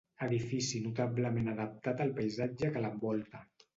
Edifici notablement adaptat al paisatge que l'envolta.